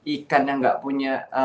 ikan yang gak punya